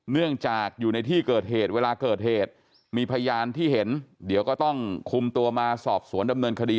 เนื่องจากอยู่ในที่เกิดเหตุเวลาเกิดเหตุมีพยานที่เห็นเดี๋ยวก็ต้องคุมตัวมาสอบสวนดำเนินคดี